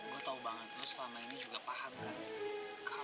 gue tau banget lo selama ini juga paham kan